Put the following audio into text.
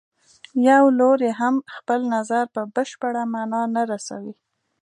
یو لوری هم خپل نظر په بشپړه معنا نه رسوي.